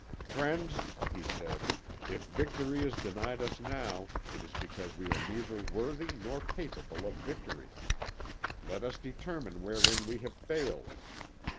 "'Friends,' he said, 'if victory is denied us now, it is because we are neither worthy nor capable of victory. Let us determine wherein we have failed.